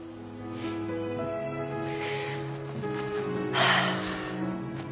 はあ。